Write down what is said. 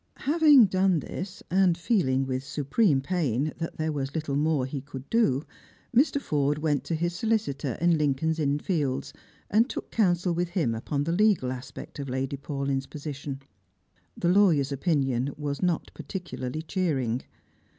Having done this, and feeling, with supreme pain, that there was little more he could do, Mr. Forde went to his solicitor in Lincoln's inn fields, and took counsel with him upon the legal aspect of Lady Paulyn's position. The lawyer's opinion was not particularly cheering.